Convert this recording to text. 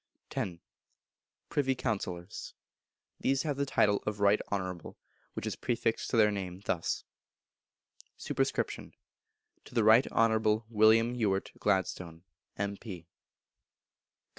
x. Privy Councillors. These have the title of Right Honourable, which is prefixed to their name thus: Sup. To the Right Honourable William Ewart Gladstone, M.P.